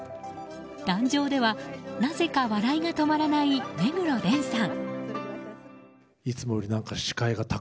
壇上では、なぜか笑いが止まらない目黒蓮さん。